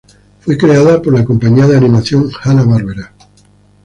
Fue creada por la compañía de animación Hanna-Barbera.